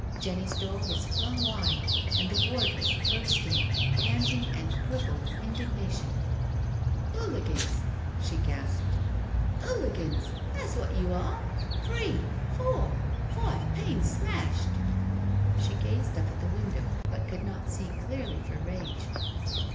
Jenny's door was flung wide and the wardress burst in, panting and purple with indignation: "'Ooligansl" she gasped, "'ooligansl that's what you are — three — four — five panes smashed 1 " She gazed up at the window, but could not see clearly for rage.